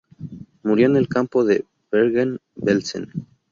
Murió en el campo de Bergen-Belsen.